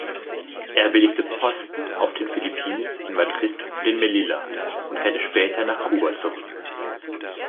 Er belegte Posten auf den Philippinen, in Madrid und in Melilla und kehrte später nach Kuba zurück.